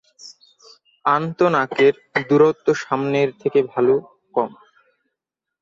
আন্ত নাকের দূরত্ব সামনের থেকে ভালো কম।